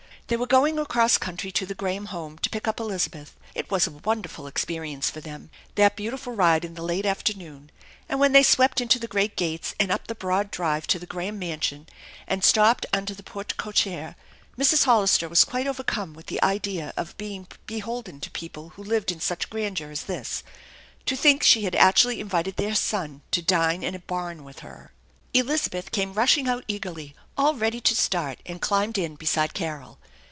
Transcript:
They were going across country to the Graham home to pick up Elizabeth. It was a wonderful experience for them, that beautiful ride in the late afternoon ; and when they swept into the great gates, and up the broad drive to the Graham mansion, and stopped under the porte cochere, Mrs. Hollister was quite overcome with the idea of being beholden to people who lived in such grandeur as this. To think she had actually invited their son to dine in a barn with her! Elizabeth came rushing out eagerly, all ready to start, and climbed in beside Carol.